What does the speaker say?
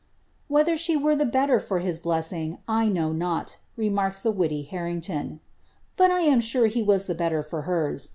^ ^Whether she were the better for his blessing, I know ■01,*' remarks the witty Harrington ;^ but I am sure he was the better ibr hers.